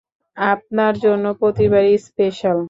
আপনার জন্য প্রতিবারই স্পেশাল।